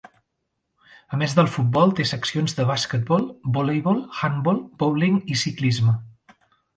A més del futbol té seccions de basquetbol, voleibol, handbol, bowling i ciclisme.